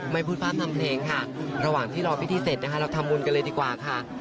พูดพร่ำทำเพลงค่ะระหว่างที่รอพิธีเสร็จนะคะเราทำบุญกันเลยดีกว่าค่ะ